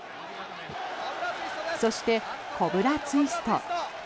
そしてコブラツイスト。